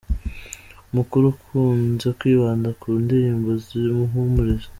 Umukuru akunze kwibanda ku ndirimbo zihumuriza.